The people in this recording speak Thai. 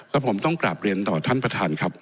แล้วผมต้องกราบเรียนต่อท่านประธานครับ